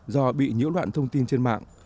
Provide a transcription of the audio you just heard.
do bị nhiễu loạn thông tin trên mạng